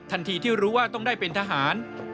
ที่รู้ว่าต้องได้เป็นทหาร